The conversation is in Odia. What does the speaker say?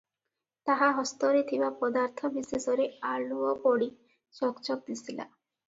ତାହା ହସ୍ତରେ ଥିବା ପଦାର୍ଥ ବିଶେଷରେ ଆଲୁଅ ପଡ଼ି ଚକ୍ ଚକ୍ ଦିଶିଲା ।